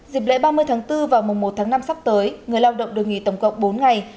dịp lễ ba mươi tháng bốn và mùa một tháng năm sắp tới người lao động được nghỉ tổng cộng bốn ngày